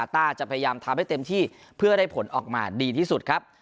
ต้าจะพยายามทำให้เต็มที่เพื่อได้ผลออกมาดีที่สุดครับ